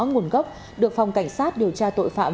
nguồn gốc được phòng cảnh sát điều tra tội phạm